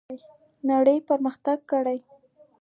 نړۍ پرمختګ کړی.